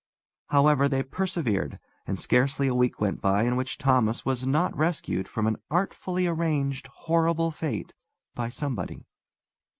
However, they persevered, and scarcely a week went by in which Thomas was not rescued from an artfully arranged horrible fate by somebody.